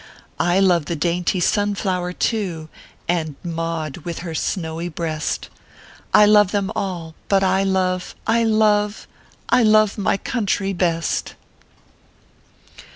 I love the dainty sunflower, too, And Maud with her snowy breast; I lovo them all ; but I love I love I love my country best.